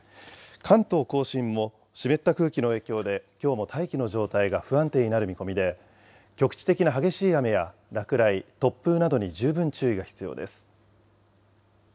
関東甲信も湿った空気の影響で、きょうも大気の状態が不安定になる見込みで、局地的な激しい雨や落雷、突風などに十分注意が必要です。